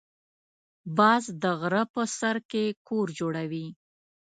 باز د غره په سر کې کور جوړوي